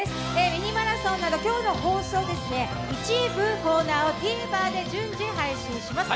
「ミニマラソン」など今日の放送の一部コーナーをＴＶｅｒで配信します。